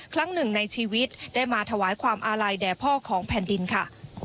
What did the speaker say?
ครั้งหนึ่งในชีวิตได้มาถวายความอาลัยแด่พ่อของแผ่นดินค่ะ